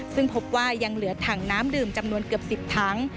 ซึ่งพบว่ายังเหลือถังน้ำดื่มจำนวนเกือบ๑๐ถัง